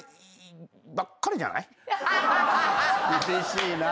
厳しいな。